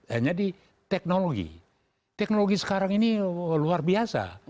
jadi teknologi teknologi sekarang ini luar biasa